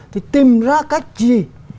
thì tìm ra cách gì